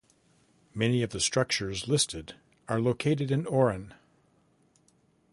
Many of the structures listed are located in Oran.